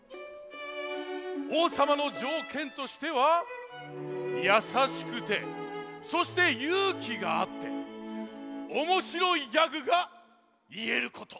おうさまのじょうけんとしてはやさしくてそしてゆうきがあっておもしろいギャグがいえること。